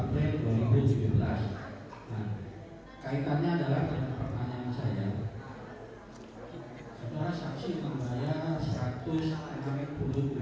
jadi memang gaum banget seperti orang baru pertama kali bertemu